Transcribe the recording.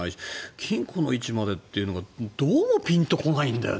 金庫の位置までっていうのがどうもピンと来ないんだよね。